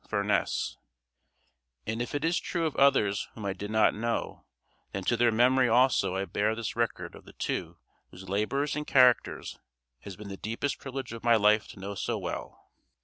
Furness; and if it is true of others whom I did not know, then to their memory also I bear this record of the two whose labors and characters it has been the deepest privilege of my life to know so well.